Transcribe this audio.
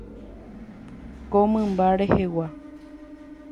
Ko mymba rehegua.